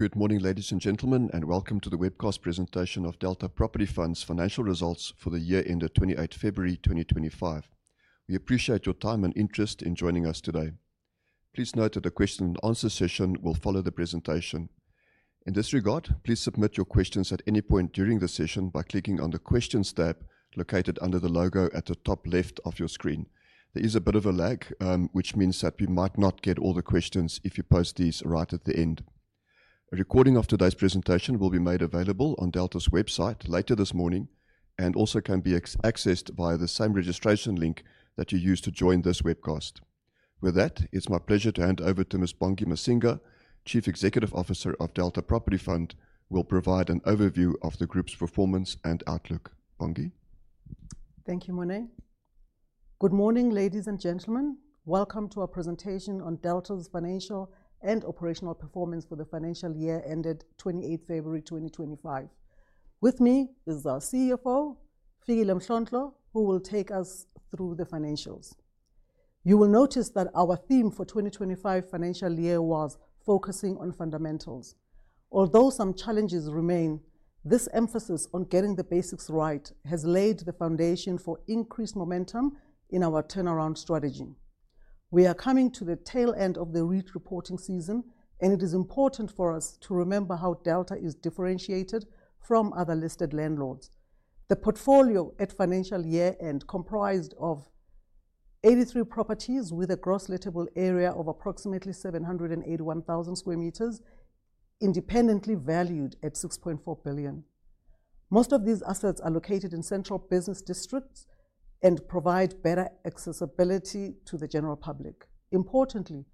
Good morning ladies and gentlemen and welcome to the webcast presentation of Delta Property Fund's financial results for the year ended 28 February 2025. We appreciate your time and interest in joining us today. Please note that the question and answer session will follow the presentation in this regard. Please submit your questions at any point during the session by clicking on the Questions tab located under the logo at the top left of your screen. There is a bit of a lag which means that we might not get all the questions if you post these right at the end. A recording of today's presentation will be made available on Delta's website later this morning and also can be accessed via the same registration link that you use to join this webcast. With that, it's my pleasure to hand over to Ms. Bongi Masinga, Chief Executive Officer of Delta Property Fund, will provide an overview of the group's performance and outlook. Bongi thank you Monet. Good morning ladies and gentlemen. Welcome to our presentation on Delta's financial and operational performance for the financial year ended 28 February 2025. With me is our CFO Fikile Mhlontlo who will take us through the financials. You will notice that our theme for 2025 financial year was focusing on fundamentals. Although some challenges remain, this emphasis on getting the basics right has laid the foundation for increased momentum in our turnaround strategy. We are coming to the tail end of the REIT reporting season and it is important for us to remember how Delta is differentiated from other listed landlords. The portfolio at financial year end comprised of 83 properties with a gross lettable area of approximately 781,000 sq m, independently valued at 6.4 billion. Most of these assets are located in central business districts and provide better accessibility to the general public. Importantly,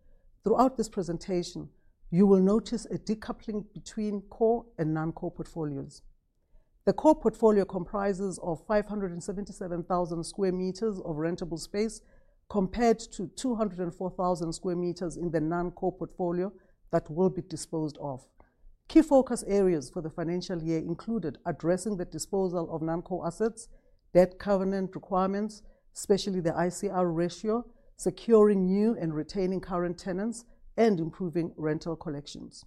throughout this presentation you will notice a decoupling between core and non-core portfolios. The core portfolio comprises 577,000 sq m of rentable space compared to 204,000 sq m in the non-core portfolio that will be disposed of. Key focus areas for the financial year included addressing the disposal of non-core assets, debt covenant requirements, especially the ICR ratio, securing new and retaining current tenants, and improving rental collections.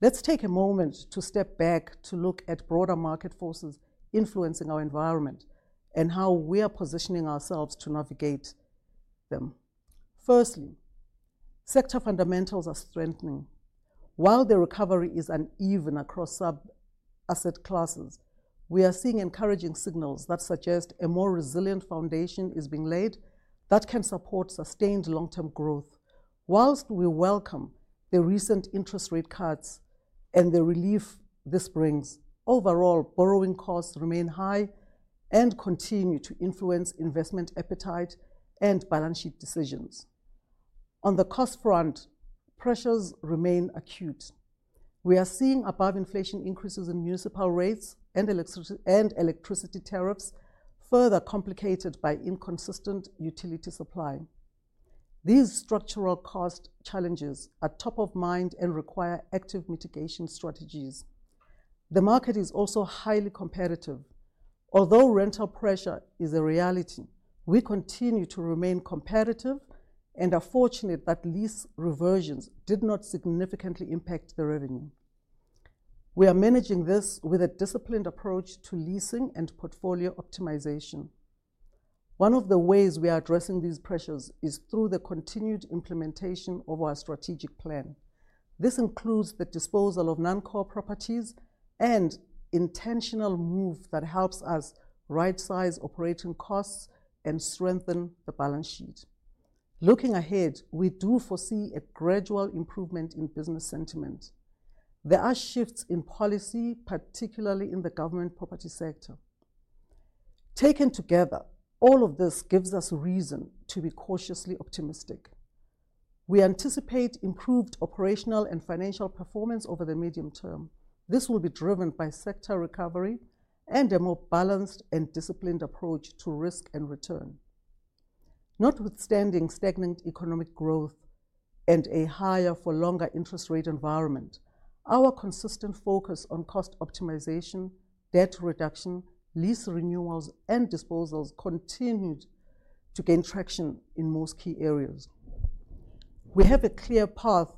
Let's take a moment to step back to look at broader market forces influencing our environment and how we are positioning ourselves to navigate them. Firstly, sector fundamentals are strengthening. While the recovery is uneven across sub asset classes, we are seeing encouraging signals that suggest a more resilient foundation is being laid that can support sustained long term growth. Whilst we welcome the recent interest rate cuts and the relief this brings, overall borrowing costs remain high and continue to influence investment appetite and balance sheet decisions. On the cost front, pressures remain acute. We are seeing above inflation increases in municipal rates and electricity tariffs, further complicated by inconsistent utility supply. These structural cost challenges are top of mind and require active mitigation strategies. The market is also highly competitive. Although rental pressure is a reality, we continue to remain competitive and are fortunate that lease reversions did not significantly impact the revenue. We are managing this with a disciplined approach to leasing and portfolio optimization. One of the ways we are addressing these pressures is through the continued implementation of our strategic plan. This includes the disposal of non-core properties, an intentional move that helps us right-size operating costs and strengthen the balance sheet. Looking ahead, we do foresee a gradual improvement in business sentiment. There are shifts in policy, particularly in the government property sector. Taken together, all of this gives us reason to be cautiously optimistic. We anticipate improved operational and financial performance over the medium term. This will be driven by sector recovery and a more balanced and disciplined approach to risk and return, notwithstanding stagnant economic growth and a higher-for-longer interest rate environment. Our consistent focus on cost optimization, debt reduction, lease renewals, and disposals continued to gain traction in most key areas. We have a clear path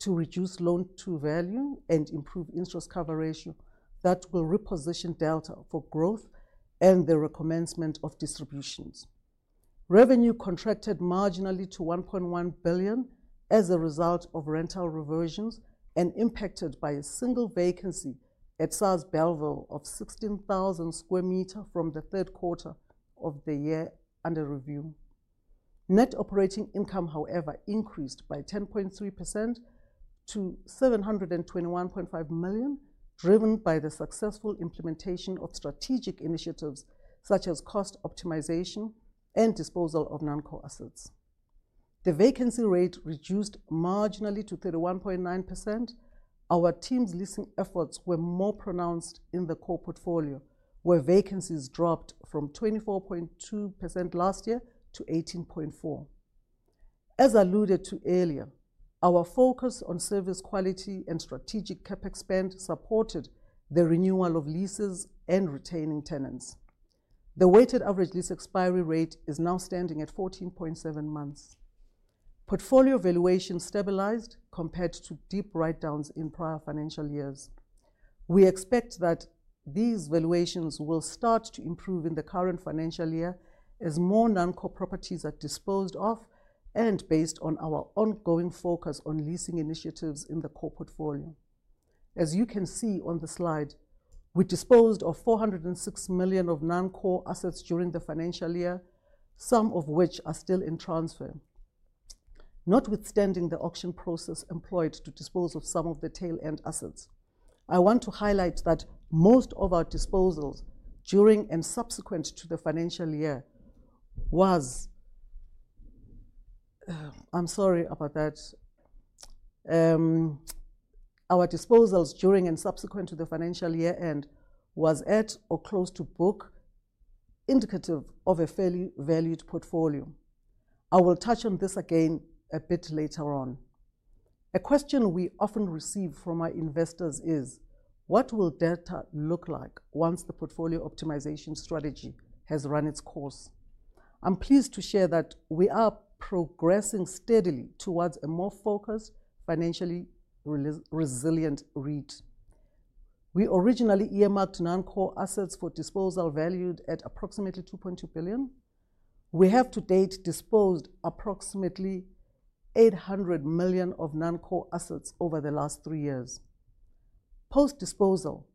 to reduce loan-to-value and improve interest cover ratio that will reposition Delta for growth and the recommencement of distributions. Revenue contracted marginally to 1.1 billion as a result of rental reversions and impacted by a single vacancy at SARS Belleville of 16,000 sq m from the third quarter of the year under review. Net operating income, however, increased by 10.3% to 721.5 million. Driven by the successful implementation of strategic initiatives such as cost optimisation and disposal of non-core assets. The vacancy rate reduced marginally to 31.9%. Our team's leasing efforts were more pronounced in the core portfolio where vacancies dropped from 24.2% last year to 18.4%. As alluded to earlier, our focus on service quality and strategic CapEx spend supported the renewal of leases and retaining tenants. The weighted average lease expiry rate is now standing at 14.7 months. Portfolio valuation stabilized compared to deep write downs in prior financial years. We expect that these valuations will start to improve in the current financial year as more non-core properties are disposed of and based on our ongoing focus on leasing initiatives in the core portfolio. As you can see on the slide, we disposed of 406 million of non-core assets during the financial year, some of which are still in transfer notwithstanding the auction process employed to dispose of some of the tail end assets. I want to highlight that most of our disposals during and subsequent to the financial year was, I'm sorry about that, our disposals during and subsequent to the financial year end was at or close to book, indicative of a fairly valued portfolio. I will touch on this again a bit later on. A question we often receive from our investors is what will Delta look like once the portfolio optimization strategy has run its course? I'm pleased to share that we are progressing steadily towards a more focused, financially resilient REIT. We originally earmarked non-core assets for disposal valued at approximately 2.2 billion. We have to date disposed approximately 800 million of non-core assets over the last three years. Post disposal,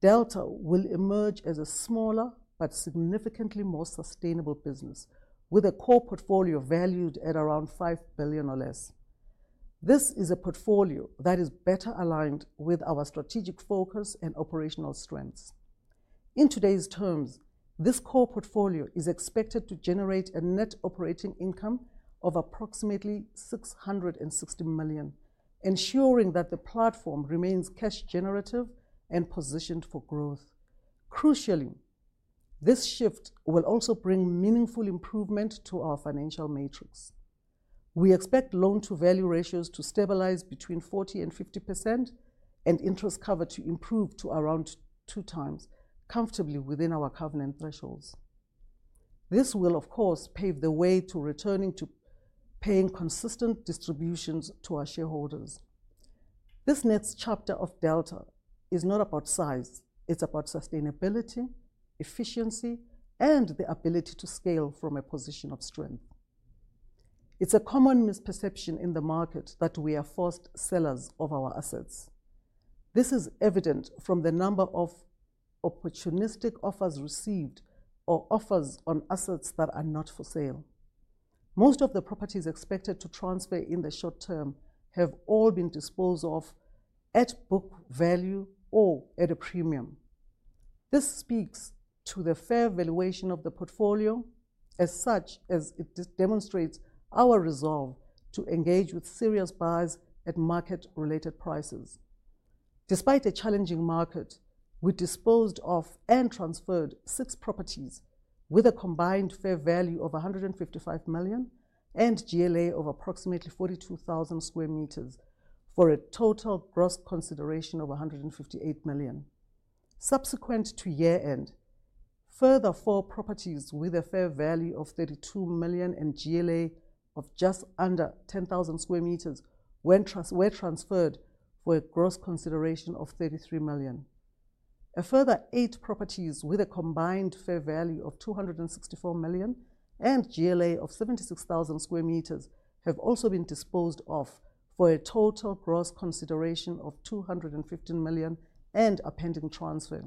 Delta will emerge as a smaller but significantly more sustainable business with a core portfolio valued at around 5 billion or less. This is a portfolio that is better aligned with our strategic focus and operational strengths. In today's terms, this core portfolio is expected to generate a net operating income of approximately 660 million, ensuring that the platform remains cash generative and positioned for growth. Crucially, this shift will also bring meaningful improvement to our financial matrix. We expect loan-to-value ratios to stabilize between 40-50% and interest cover to improve to around two times comfortably within our covenant thresholds. This will of course pave the way to returning to paying consistent distributions to our shareholders. This next chapter of Delta is not about size. It's about sustainability, efficiency, and the ability to scale from a position of strength. It's a common misperception in the market that we are forced sellers of our assets. This is evident from the number of opportunistic offers received or offers on assets that are not for sale. Most of the properties expected to transfer in the short term have all been disposed of at book value or at a premium. This speaks to the fair valuation of the portfolio as such as it demonstrates our resolve to engage with serious buyers at market related prices despite a challenging market. We disposed of and transferred six properties with a combined fair value of 155 million and GLA of approximately 42,000 sq m for a total gross consideration of 158 million subsequent to year end. Further, four properties with a fair value of 32 million and GLA of just under 10,000 sq m were transferred for a gross consideration of 33 million. A further eight properties with a combined fair value of 264 million and GLA of 76,000 sq m have also been disposed of for a total gross consideration of 215 million and a pending transfer.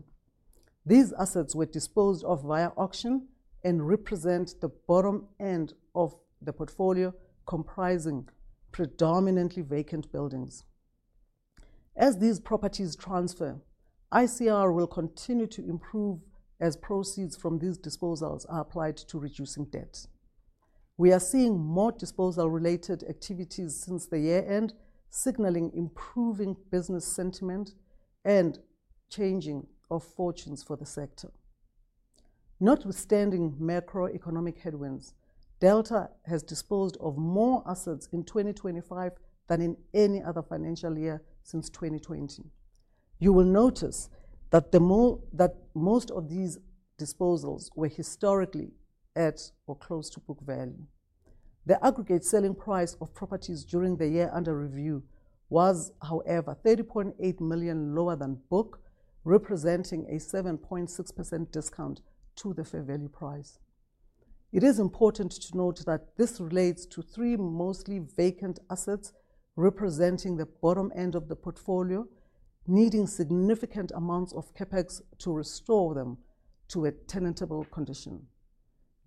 These assets were disposed of via auction and represent the bottom end of the portfolio comprising predominantly vacant buildings. As these properties transfer, ICR will continue to improve as proceeds from these disposals are applied to reducing debt. We are seeing more disposal related activities since the year end, signaling improving business sentiment and changing of fortunes for the sector. Notwithstanding macroeconomic headwinds, Delta has disposed of more assets in 2025 than in any other financial year since 2020. You will notice that most of these disposals were historically at or close to book value. The aggregate selling price of properties during the year under review was, however, 30.8 million lower than book, representing a 7.6% discount to the fair value price. It is important to note that this relates to three mostly vacant assets representing the bottom end of the portfolio needing significant amounts of CapEx to restore them to a tenantable condition.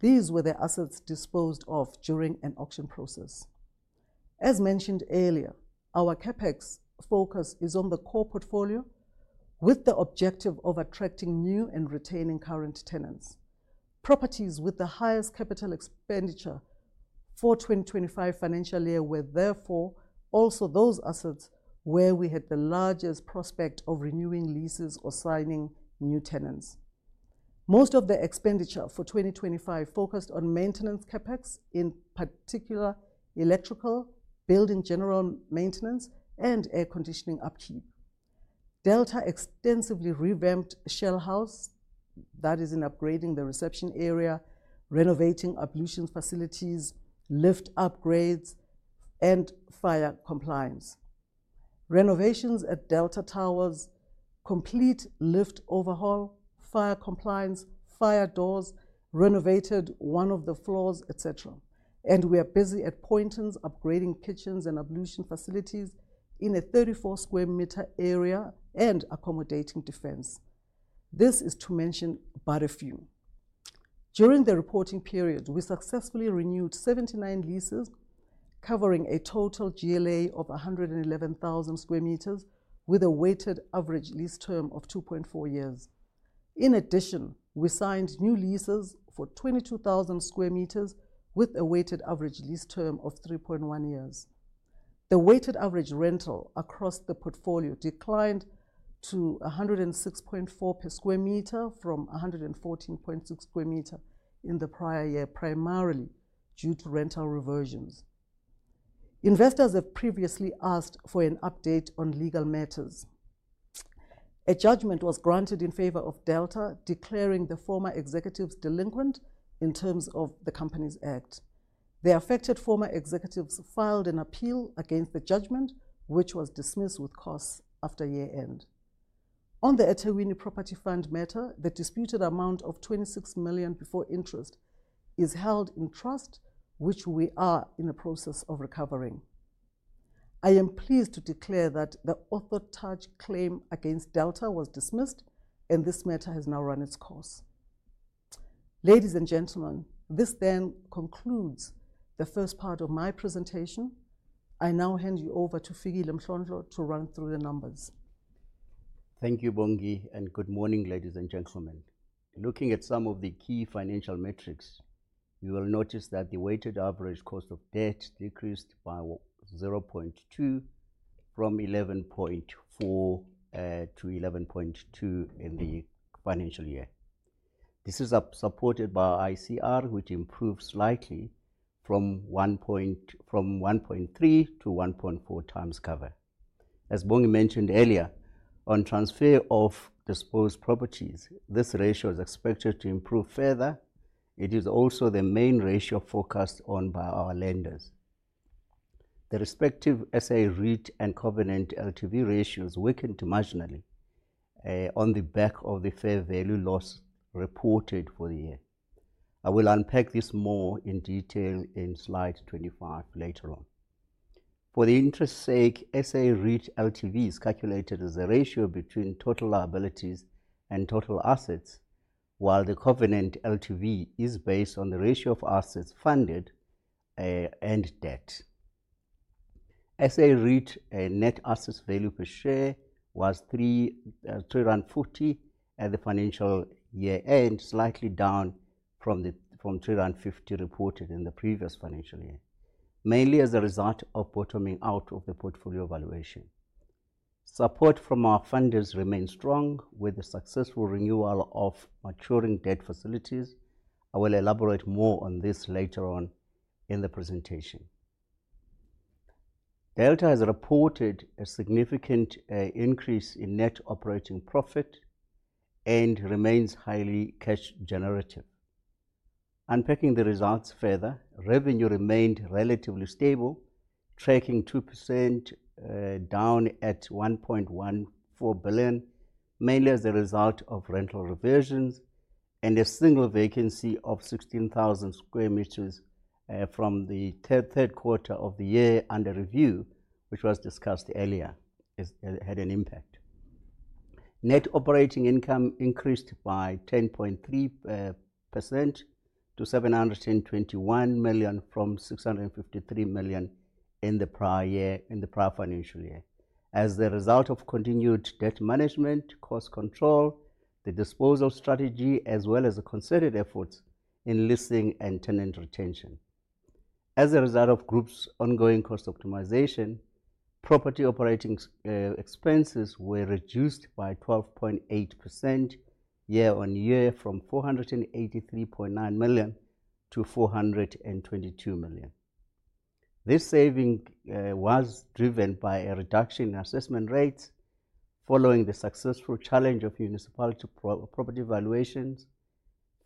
These were the assets disposed of during an auction process. As mentioned earlier, our CapEx focus is on the core portfolio with the objective of attracting new and retaining current tenants. Properties with the highest capital expenditure for the 2025 financial year were therefore also those assets where we had the largest prospect of renewing leases or signing new tenants. Most of the expenditure for 2025 focused on maintenance CapEx, in particular electrical, building, general maintenance, and air conditioning upkeep. Delta extensively revamped Shell House, that is, in upgrading the reception area, renovating ablutions facilities, lift upgrades, and fire compliance. Renovations at Delta Towers include complete lift overhaul, fire compliance, fire doors, renovated one of the floors, etc. We are busy at Poynton's upgrading kitchens and ablution facilities in a 34 sq m area and accommodating Defence. This is to mention but a few. During the reporting period we successfully renewed 79 leases covering a total GLA of 111,000 sq m with a weighted average lease term of 2.4 years. In addition, we signed new leases for 22,000 sq m with a weighted average lease term of 3.1 years. The weighted average rental across the portfolio declined to 106.4 per sq m from 114.6 per sq m in the prior year, primarily due to rental reversions. Investors have previously asked for an update on legal matters. A judgment was granted in favor of Delta declaring the former executives delinquent in terms of the Companies Act. The affected former executives filed an appeal against the judgment, which was dismissed with costs after year end. On the Ethekwini Property Fund matter, the disputed amount of 26 million before interest is held in trust, which we are in the process of recovering. I am pleased to declare that the Orthotouch claim against Delta was dismissed and this matter has now run its course. Ladies and gentlemen, this then concludes the first part of my presentation. I now hand you over to Fikile Mhlontlo to run through the numbers. Thank you Bongi and good morning ladies and gentlemen. Looking at some of the key financial metrics, you will notice that the weighted average cost of debt decreased by 0.2 from 11.4 to 11.2 in the financial year. This is supported by ICR which improved slightly from 1.3 to 1.4 times cover. As Bongi mentioned earlier on transfer of disposed properties, this ratio is expected to improve further. It is also the main ratio focused on by our lenders. The respective SA REIT and covenant LTV ratios weakened marginally on the back of the fair value loss reported for the year. I will unpack this more in detail in slide 25 later on for the interest sake. SA REIT LTV is calculated as a ratio between total liabilities total assets, while the covenant LTV is based on the ratio of assets funded and debt. SA REIT net asset value per share was 3.40 at the financial year end, slightly down from the 3.50 reported in the previous financial year, mainly as a result of bottoming out of the portfolio valuation. Support from our funders remains strong with the successful renewal of maturing debt facilities. I will elaborate more on this later on in the presentation. Delta has reported a significant increase in net operating income and remains highly cash generative. Unpacking the results further, revenue remained relatively stable, tracking 2% down at 1.14 billion, mainly as a result of rental reversions and a single vacancy of 16,000 sq m from the third quarter of the year under review, which was discussed earlier, had an impact. Net operating income increased by 10.3% to 721 million from 653 million in the prior financial year as the result of continued debt management, cost control, the disposal strategy as well as concerted efforts in leasing and tenant retention as a result of group's ongoing cost optimization. Property operating expenses were reduced by 12.8% year-on-year from 483.9 million to 422 million. This saving was driven by a reduction in assessment rates following the successful challenge of municipality property valuations.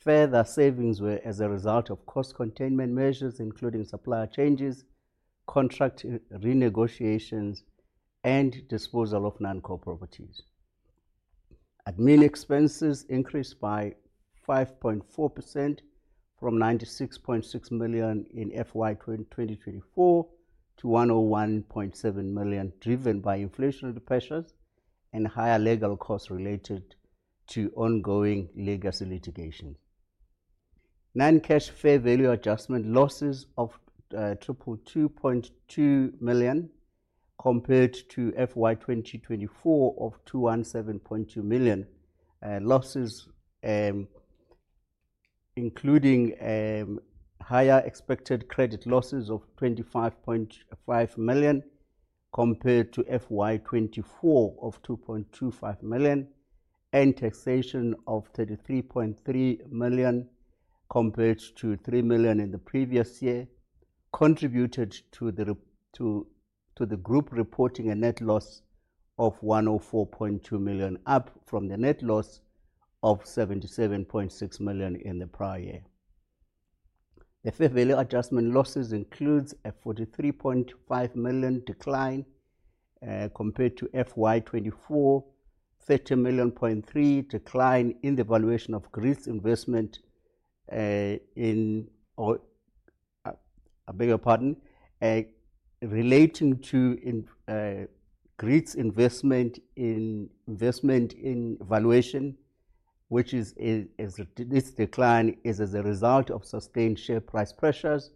Further savings were as a result of cost containment measures including supplier changes, contract renegotiations and disposal of non-core properties. Admin expenses increased by 5.4% from 96.6 million in FY 2024 to 101.7 million driven by inflationary pressures and higher legal costs related to ongoing legacy litigation. Non-cash fair value adjustment losses of 22.2 million compared to FY 2024 of 217.2 million losses, including higher expected credit losses of 25.5 million compared to FY 2024 of 2.25 million and taxation of 33.3 million compared to 3 million in the previous year contributed to the group reporting a net loss of 104.2 million, up from the net loss of 77.6 million in the prior year. The fair value adjustment losses include a 43.5 million decline compared to FY 2024 30.3 million decline in the valuation of Grit investment in, I beg your pardon, relating to Grit's investment in valuation, which decline is as a result of sustained share price pressures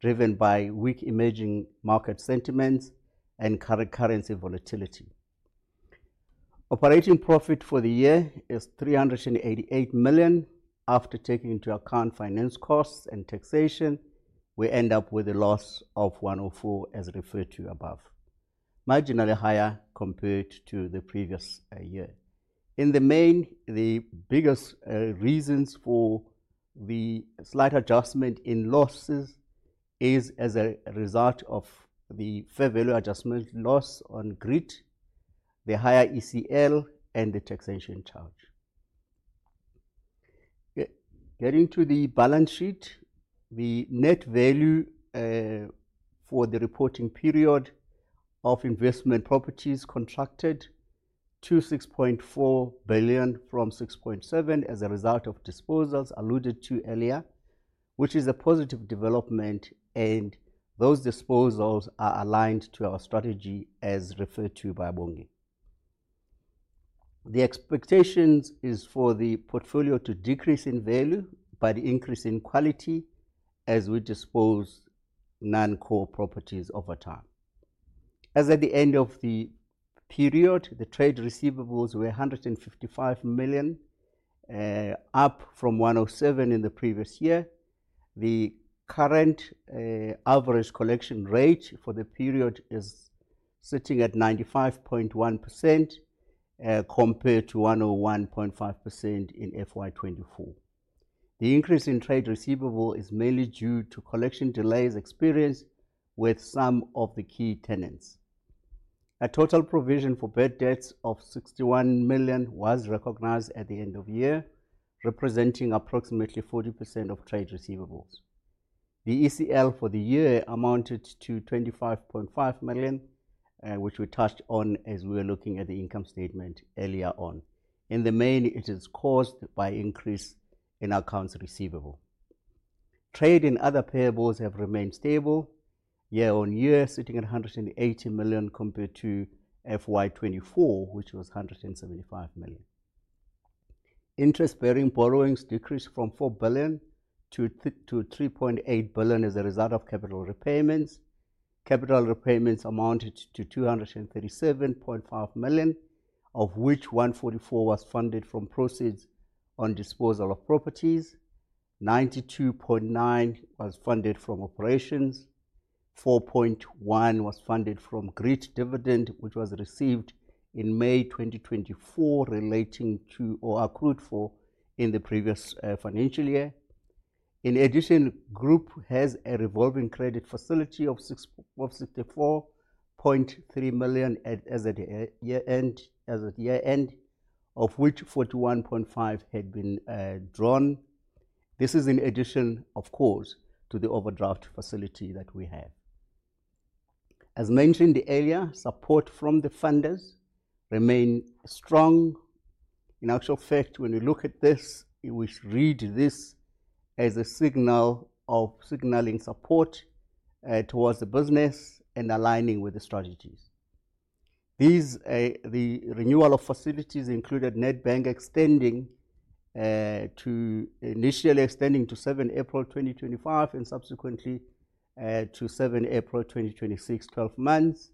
driven by weak emerging market sentiments and current currency volatility. Operating profit for the year is 388 million. After taking into account finance costs and taxation we end up with a loss of 104 million as referred to above, marginally higher compared to the previous year. In the main, the biggest reasons for the slight adjustment in losses is as a result of the fair value adjustment loss on Grit, the higher ECL, and the taxation charge getting to the balance sheet. The net value for the reporting period of investment properties contracted to 6.4 billion from 6.7 billion as a result of disposals alluded to earlier, which is a positive development, and those disposals are aligned to our strategy as referred to by Bongi. The expectation is for the portfolio to decrease in value by the increase in quality as we dispose non-core properties over time. As at the end of the period, the trade receivables were 155 million, up from 107 million in the previous year. The current average collection rate for the period is sitting at 95.1% compared to 101.5% in FY 2024. The increase in trade receivable is mainly due to collection delays experienced with some of the key tenants. A total provision for bad debts of 61 million was recognized at the end of year representing approximately 40% of trade receivables. The ECL for the year amounted to 25.5 million which we touched on as we were looking at the income statement earlier on. In the main it is caused by increase in accounts receivable. Trade and other payables have remained stable year on year sitting at 180 million compared to FY 2024 which was 175 million. Interest bearing borrowings decreased from 4 billion to 3.8 billion as a result of capital repayments. Capital repayments amounted to 237.5 million of which 144 million was funded from proceeds on disposal of properties. 92.9 million was funded from operations, 4.1 million was funded from Grit dividend which was received in May 2024 relating to or accrued for in the previous financial year. In addition, Group has a revolving credit facility of 64.3 million as at year end, of which 41.5 million had been drawn. This is in addition, of course, to the overdraft facility that we have. As mentioned earlier, support from the funders remains strong. In actual fact, when you look at this, we read this as a signal of signaling support towards the business and aligning with the strategies. The renewal of facilities included Nedbank initially extending to 7 April 2025 and subsequently to 7 April 2026, 12 months.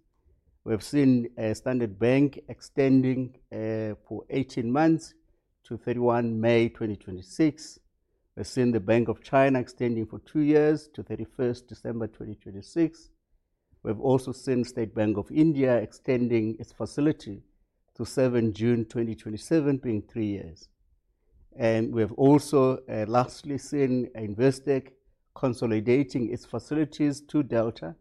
We have seen Standard Bank extending for 18 months to 31 May 2026. We have seen the Bank of China extending for 2 years to 31 December 2026. We've also seen State Bank of India extending its facility to 7 June 2027 being three years and we have also lastly seen Investec consolidating its facilities to Delta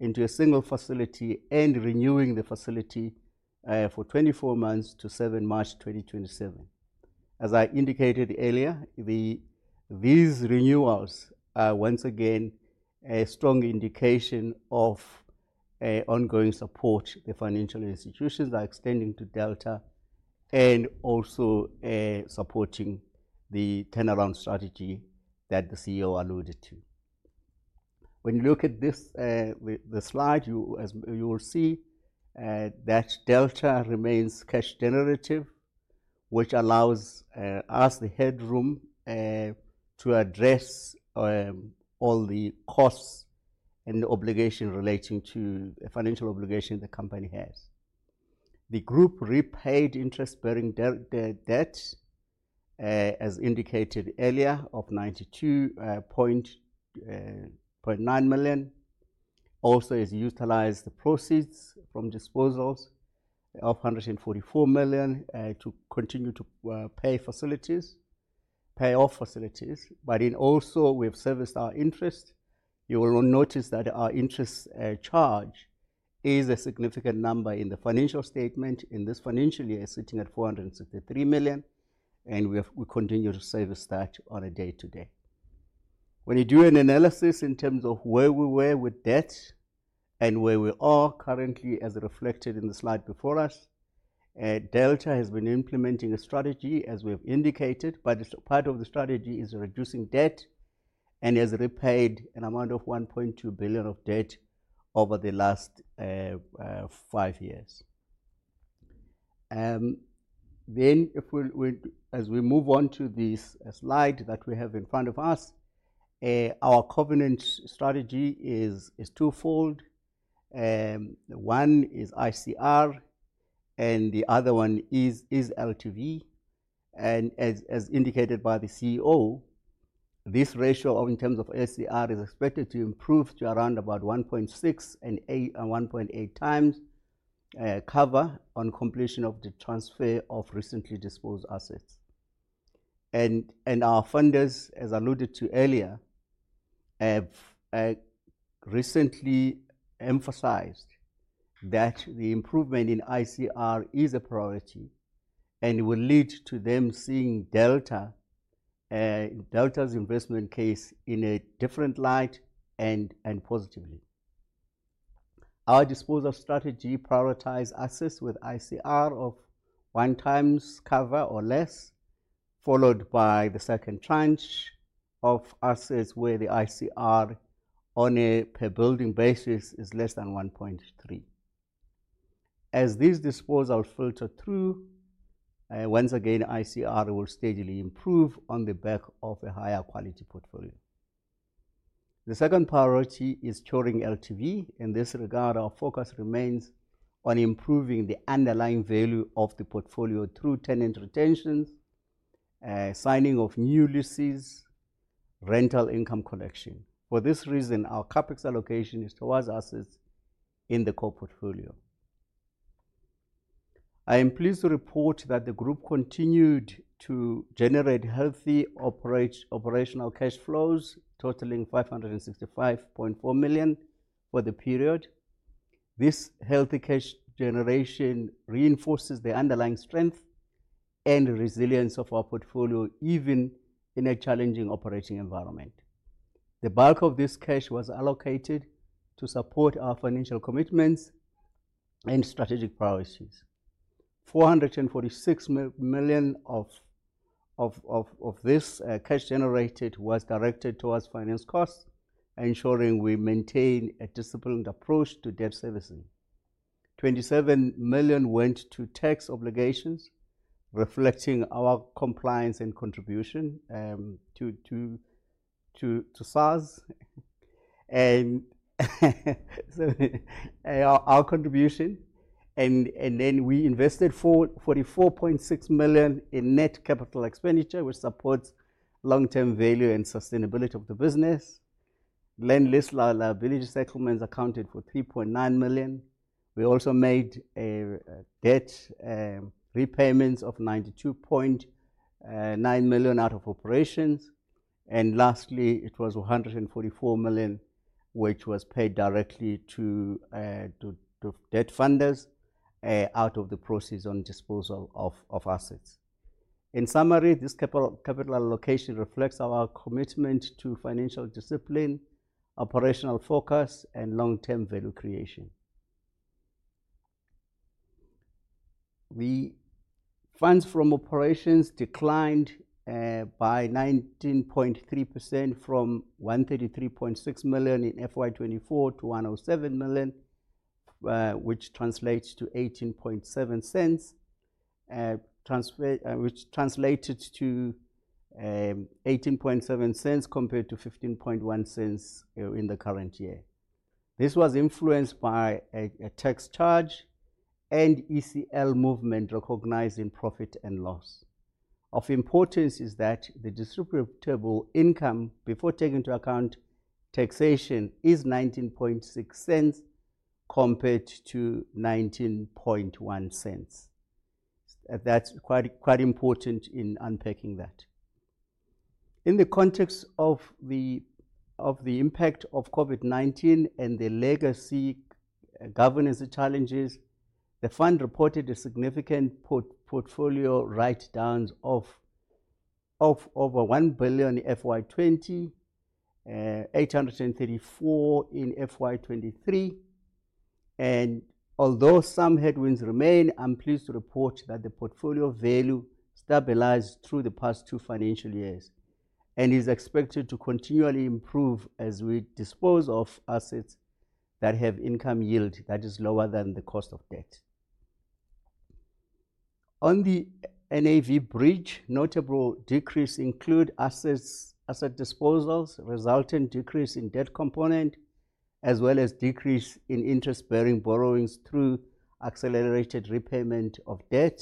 into a single facility and renewing the facility for 24 months to 7 March 2027. As I indicated earlier, these renewals are once again a strong indication of ongoing support the financial institutions are extending to Delta and also supporting the turnaround strategy that the CEO alluded to. When you look at this slide you will see that Delta remains cash generative which allows us the headroom to address all the costs and obligations relating to financial obligations. The company has the group repaid interest bearing debt as indicated earlier of 92.9 million also has utilized the proceeds from disposals of 144 million to continue to pay facilities pay off facilities but also we have serviced our interest. You will notice that our interest charge is a significant number in the financial statement in this financial year is sitting at 463 million and we have we continue to service that on a day to day. When you do an analysis in terms of where we were with debt and where we are currently as reflected in the slide before us, Delta has been implementing a strategy as we have indicated, but part of the strategy is reducing debt and has repaid an amount of 1.2 billion of debt over the last five years. As we move on to this slide that we have in front of us, our covenant strategy is twofold. One is ICR and the other one is LTV. As indicated by the CEO, this ratio in terms of ICR is expected to improve to around 1.6-1.8 times cover on completion of the transfer of recently disposed assets. Our funders, as alluded to earlier, have recently emphasized that the improvement in ICR is a priority and will lead to them seeing Delta's investment case in a different light. Positively, our disposal strategy prioritizes assets with ICR of one times cover or less, followed by the second tranche of assets where the ICR on a per building basis is less than 1.3. As these disposals filter through, once again, ICR will steadily improve on the back of a higher quality portfolio. The second priority is turning LTV. In this regard, our focus remains on improving the underlying value of the portfolio through tenant retentions, signing of new leases, and rental income collection. For this reason our CapEx allocation is towards assets in the core portfolio. I am pleased to report that the group continued to generate healthy operational cash flows totaling 565.4 million for the period. This healthy cash generation reinforces the underlying strength and resilience of our portfolio even in a challenging operating environment. The bulk of this cash was allocated to support our financial commitments and strategic priorities. 446 million of this cash generated was directed towards finance costs, ensuring we maintain a disciplined approach to debt servicing. 27 million went to tax obligations, reflecting our compliance and contribution to SARS and our contribution. We invested 44.6 million in net capital expenditure, which supports long term value and sustainability of the business. Lend lease liability settlements accounted for 3.9 million. We also made debt repayments of 92.9 million out of operations. Lastly, it was 144 million which was paid directly to debt funders out of the proceeds on disposal of assets. In summary, this capital allocation reflects our commitment to financial discipline, operational focus, and long-term value creation. The funds from operations declined by 19.3% from 133.6 million in FY2024 to 107 million, which translates to 0.187, compared to 0.151 in the current year. This was influenced by a tax charge and ECL movement. Recognizing profit and loss, of importance is that the distributable income before taking into account taxation is 0.196 compared to 0.191. That is quite important in unpacking that in the context of the impact of COVID-19 and the legacy governance challenges. The Fund reported a significant portfolio write-downs of over ZAR 1 billion in financial year 2023 and although some headwinds remain, I'm pleased to report that the portfolio value stabilized through the past two financial years and is expected to continually improve as we dispose of assets that have income yield that is lower than the cost of debt on the NAV bridge. Notable decrease include asset disposals, resultant decrease in debt component as well as decrease in interest-bearing borrowings through accelerated repayment of debt.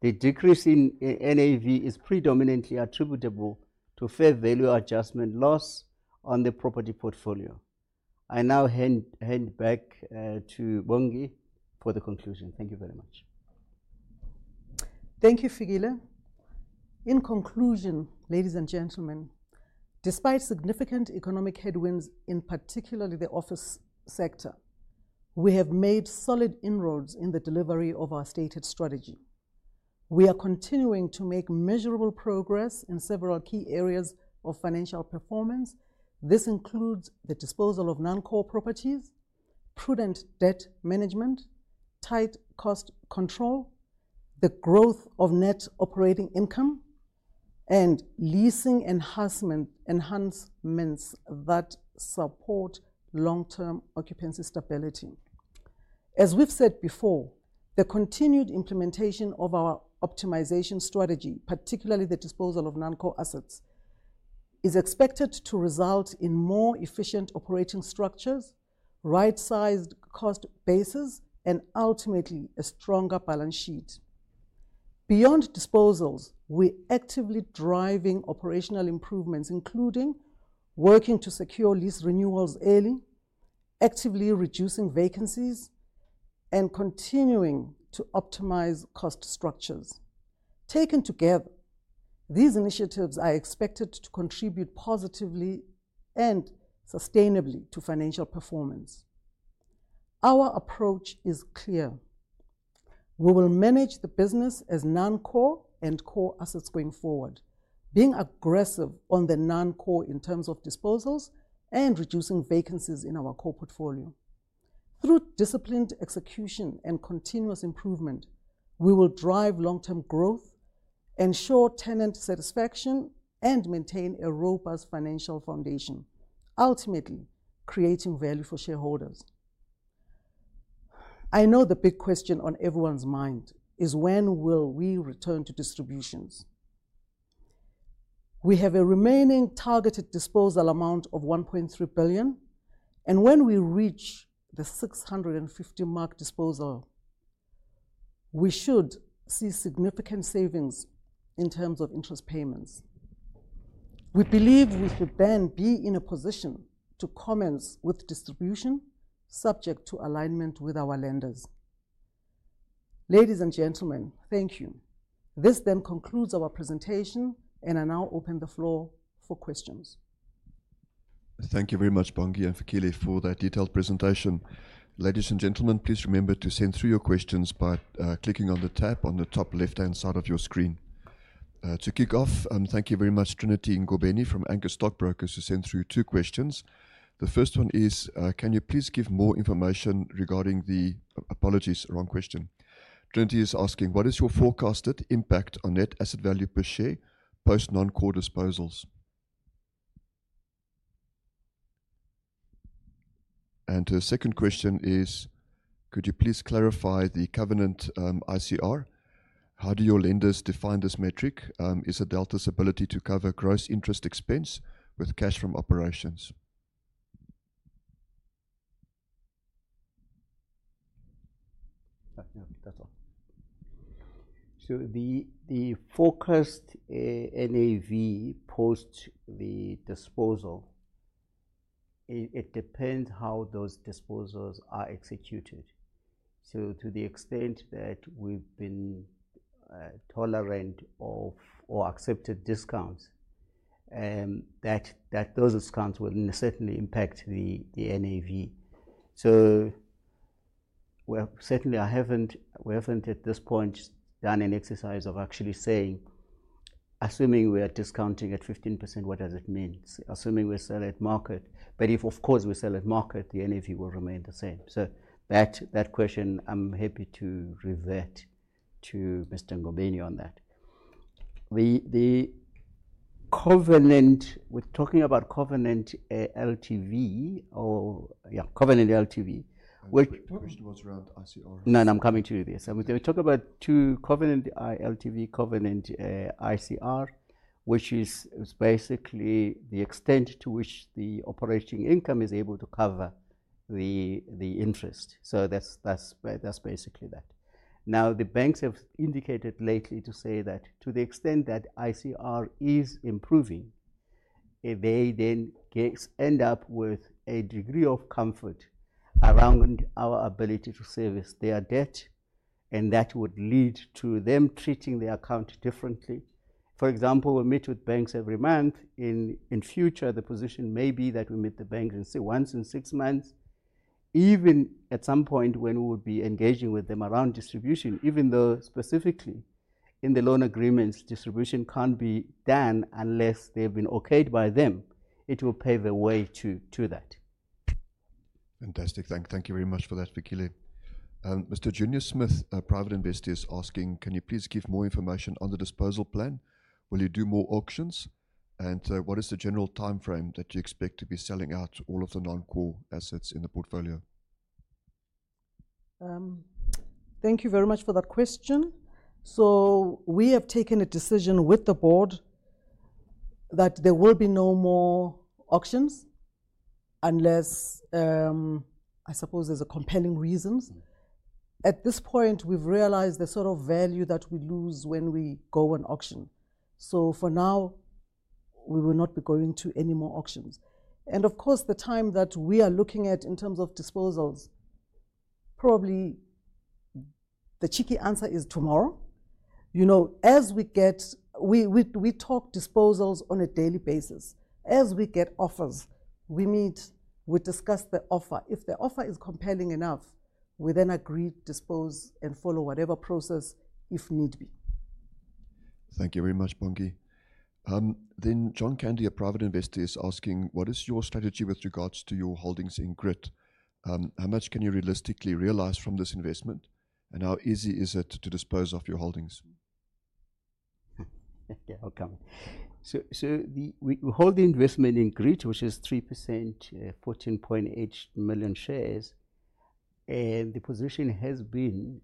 The decrease in NAV is predominantly attributable to fair value adjustment loss on the property portfolio. I now hand back to Bongi for the conclusion. Thank you very much. Thank you, Fikile. In conclusion, ladies and gentlemen, despite significant economic headwinds in particularly the office sector, we have made solid inroads in the delivery of our stated strategy. We are continuing to make measurable progress in several key areas of financial performance. This includes the disposal of non-core properties, prudent debt management, tight cost control, the growth of net operating income, and leasing enhancements that support long-term occupancy stability. As we've said before, the continued implementation of our optimization strategy, particularly the disposal of non-core assets, is expected to result in more efficient operating structures, rights basis, and ultimately a stronger balance sheet. Beyond disposals, we are actively driving operational improvements including working to secure lease renewals early, actively reducing vacancies, and continuing to optimize cost structures. Taken together, these initiatives are expected to contribute positively and sustainably to financial performance. Our approach is clear, we will manage the business as non-core and core assets going forward, being aggressive on the non-core in terms of disposals and reducing vacancies in our core portfolio. Through disciplined execution and continuous improvement we will drive long-term growth, ensure tenant satisfaction, and maintain a robust financial foundation, ultimately creating value for shareholders. I know the big question on everyone's mind is when will we return to distributions? We have a remaining targeted disposal amount of 1.3 billion and when we reach the 650 million mark disposal we should see significant savings in terms of interest payments. We believe we should then be in a position to commence with distribution subject to alignment with our lenders. Ladies and gentlemen, thank you. This then concludes our presentation and I now open the floor for questions. Thank you very much Bongi and Fikile for that detailed presentation. Ladies and gentlemen, please remember to send through your questions by clicking on the tab on the top left hand side of your screen to kick off. Thank you very much. Trinity Ngobeni from Anchor Stockbrokers who sent through two questions. The first one is can you please give more information regarding the Apologies, wrong question. Trinity is asking what is your forecasted impact on net asset value per share post non-core disposals and second question is could you please clarify the covenant ICR? How do your lenders define this metric? Is the Delta's ability to cover gross interest expense with cash from operations. The focused NAV post the disposal, it depends how those disposals are executed. To the extent that we've been tolerant of or accepted discounts, those discounts will certainly impact the NAV. I haven't, we haven't at this point done an exercise of actually saying assuming we are discounting at 15% what does it mean, assuming we sell at market, but if of course we sell at market the NAV will remain the same. That question, I'm happy to revert to Mr. Ngobeni on that. The covenant, we're talking about covenant LTV or, yeah, covenant LTV, which was around ICR. No, I'm coming to you, they talk about two, covenant LTV, covenant ICR, which is basically the extent to which the operating income is able to cover the interest. That's basically that. Now the banks have indicated lately to say that to the extent that ICR is improving, they then end up with a degree of comfort around our ability to service their debt and that would lead to them treating their account differently. For example, we meet with banks every month. If in future the position may be that we meet the bank and say once in six months, even at some point when we would be engaging with them around distribution, even though specifically in the loan agreements distribution can't be done unless they've been okayed by them. It will pave the way to that. Fantastic. Thank you very much for that, Fikile. Mr. Junior Smith, a private investor, is asking can you please give more information on the disposal plan? Will you do more auctions and what is the general time frame that you expect to be selling out all of the non-core assets in the portfolio? Thank you very much for that question. We have taken a decision with the board that there will be no more auctions. Unless, I suppose, there is a compelling reason at this point, we have realized the sort of value that we lose when we go on auction. For now, we will not be going to any more auctions. The time that we are looking at in terms of disposals, probably the cheeky answer is tomorrow. You know, as we get, we talk disposals on a daily basis. As we get offers, we meet, we discuss the offer. If the offer is compelling enough, we then agree, dispose of, and follow whatever process if need be. Thank you very much, Bongi. John Candy, a private investor, is asking, what is your strategy with regards to your holdings in Grit? How much can you realistically realize from this investment and how easy is it to dispose of your holdings? We hold the investment in Grit, which is 3%, 14.8 million shares, and the position has been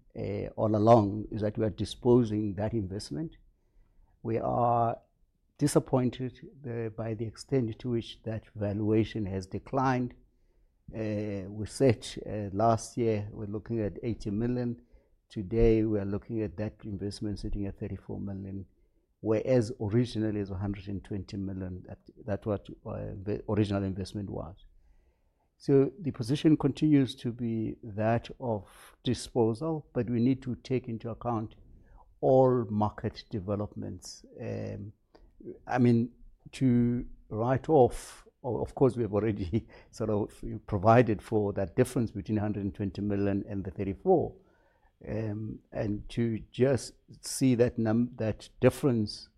all along is that we are disposing that investment. We are disappointed by the extent to which that valuation has declined. We said last year we were looking at 80 million. Today we are looking at that investment sitting at 34 million, whereas originally it is 120 million. That is what the original investment was. The position continues to be that of disposal. We need to take into account all market developments. I mean, to write off, of course, we have already sort of provided for that difference between 120 million and the 34 million. To just see that difference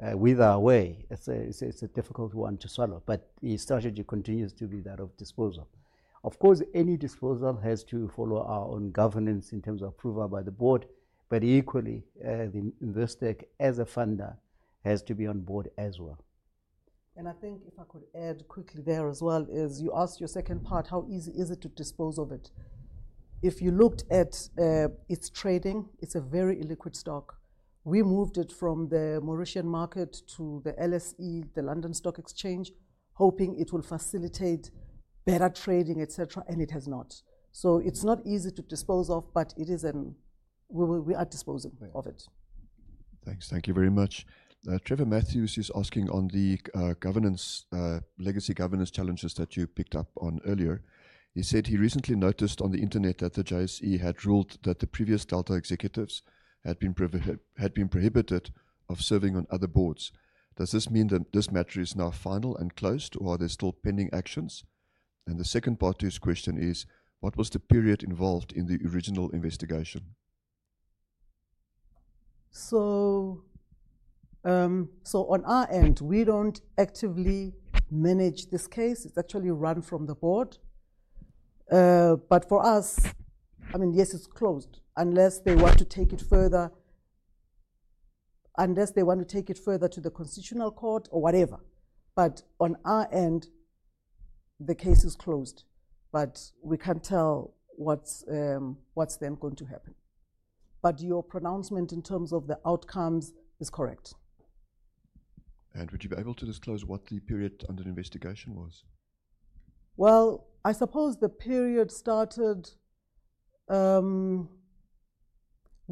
wither away, it is a difficult one to swallow. The strategy continues to be that of disposal. Of course, any disposal has to follow our own governance in terms of approval by the board. Equally, Investec as a funder has to be on board as well. I think if I could add quickly there as well as you asked your second part, how easy is it to dispose of it? If you looked at its trading, it's a very illiquid stock. We moved it from the Mauritian market to the LSE, the London Stock Exchange, hoping it will facilitate better trading, etc. It has not. It is not easy to dispose of, but it is and we are disposing of it. Thanks. Thank you very much. Trevor Matthews is asking on the governance, legacy governance challenges that you picked up on earlier. He said he recently noticed on the Internet that the JSE had ruled that the previous Delta executives had been prohibited of serving on other boards. Does this mean that this matter is now final and closed or are there still pending actions? The second part to his question is what was the period involved in the original investigation? On our end, we do not actively manage this case. It is actually run from the board. For us, I mean, yes, it is closed unless they want to take it further. Unless they want to take it further to the Constitutional Court or whatever. On our end the case is closed, but we cannot tell what is then going to happen. Your pronouncement in terms of the outcomes is correct. Would you be able to disclose what the period under investigation was? I suppose the period started.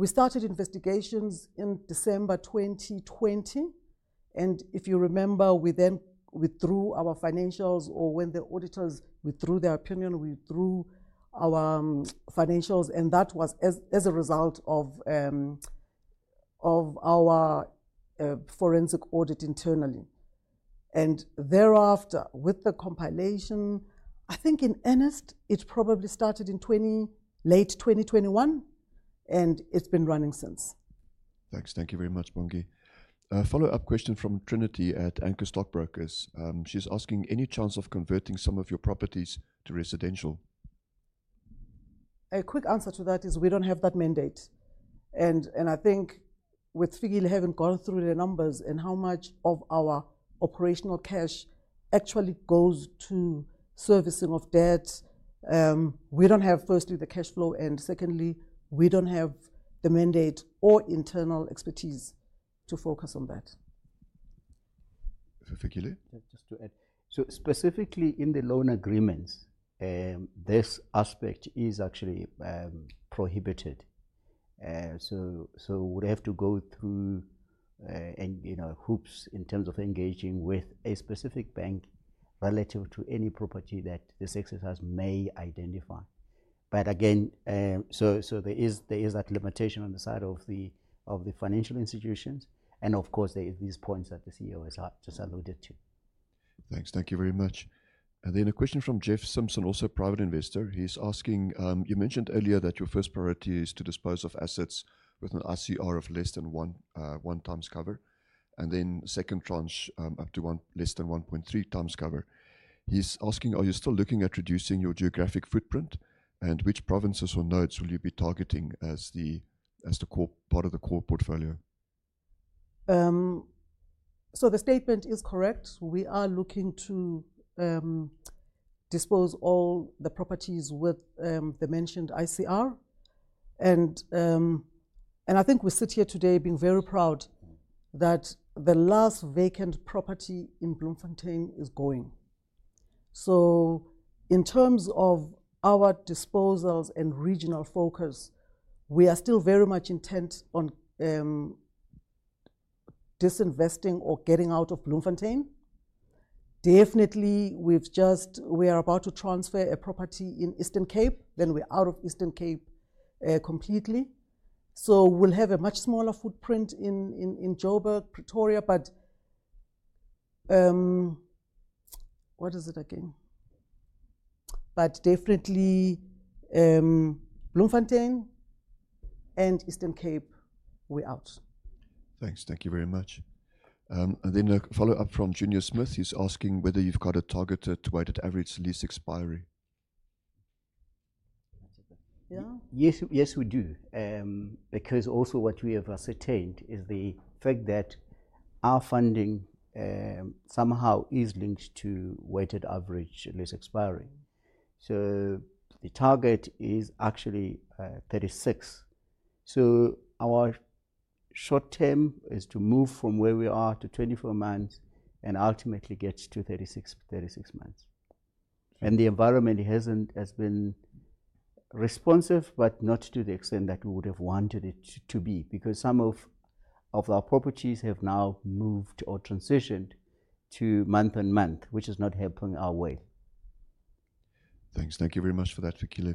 We started investigations in December 2020 and if you remember, we then withdrew our financials or when the auditors withdrew their opinion, we withdrew our financials and that was as a result of our forensic audit internally and thereafter with the compilation, I think in earnest. It probably started in late 2021 and it's been running since. Thanks. Thank you very much. Bongi, follow up question from Trinity at Anchor Stockbrokers. She's asking any chance of converting some of your properties to residential. A quick answer to that is we don't have that mandate and I think with Fikile having gone through the numbers and how much of our operational cash actually goes to servicing of debt, we don't have firstly the cash flow and secondly we don't have the mandate or internal expertise to focus on that. Just to add, so specifically in the loan agreements this aspect is actually prohibited, so would have to go through hoops in terms of engaging with a specific bank relative to any property that this exercise may identify. There is that limitation on the side of the financial institutions. Of course, there are these points that the CEO has just alluded to. Thanks. Thank you very much. A question from Jeff Simpson, also private investor. He's asking you mentioned earlier that your first priority is to dispose of assets with an ICR of less than 1 times cover and then second tranche up to less than 1.3 times cover. He's asking are you still looking at reducing your geographic footprint and which provinces or nodes will you be targeting as the core part of the core portfolio? The statement is correct. We are looking to dispose all the properties with the mentioned ICR and I think we sit here today being very proud that the last vacant property in Bloemfontein is going. In terms of our disposals and regional focus, we are still very much intent on disinvesting or getting out of Bloemfontein. Definitely. We are about to transfer a property in Eastern Cape, then we are out of Eastern Cape completely, so we will have a much smaller footprint in Johannesburg, Pretoria. But what is it again? But definitely Bloemfontein and Eastern Cape. We out. Thanks. Thank you very much. A follow up from Junior Smith. He's asking whether you've got a targeted weighted average lease expiry. Yes, we do. Because also what we have ascertained is the fact that our funding somehow is linked to weighted average lease expiry. The target is actually 36. Our short term is to move from where we are to 24 months and ultimately get to 36 months. The environment has been responsive but not to the extent that we would have wanted it to be because some of our properties have now moved or transitioned to month and month which is not helping our way. Thanks. Thank you very much for that, Fikile.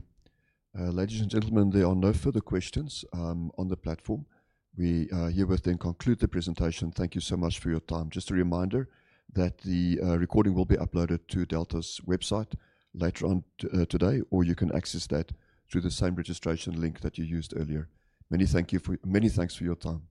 Ladies and gentlemen, there are no further questions on the platform. We herewith conclude the presentation. Thank you so much for your time. Just a reminder that the recording will be uploaded to Delta's website later on today or you can access that through the same registration link that you used earlier. Many thanks for your time.